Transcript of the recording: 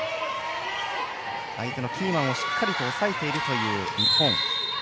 相手のキーマンをしっかりと抑えているという日本。